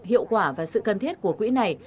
hiệu quả và sự cần thiết của quỹ này